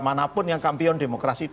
manapun yang kampion demokrasi itu